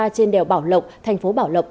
trên đèo bảo lộc thành phố bảo lộc